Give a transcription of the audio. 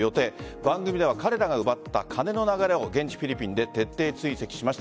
番組では彼らが奪った金の流れを現地・フィリピンで徹底追跡しました。